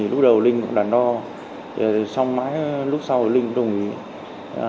lúc đầu linh cũng đắn đo xong mãi lúc sau linh cũng đồng ý